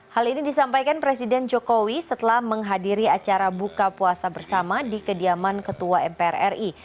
hal ini disampaikan presiden jokowi setelah menghadiri acara buka puasa bersama di kediaman ketua mpr ri